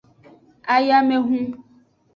Ayamehun.